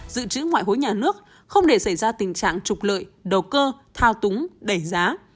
dự trữ ngoại hối nhà nước không để xảy ra tình trạng trục lợi đầu cơ thao túng đẩy giá